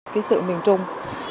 ký sự miền trung